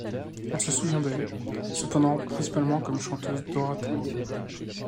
On se souvient d'elle, cependant, principalement comme chanteuse d'oratorios.